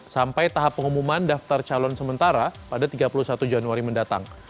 sampai tahap pengumuman daftar calon sementara pada tiga puluh satu januari mendatang